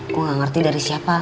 gue gak ngerti dari siapa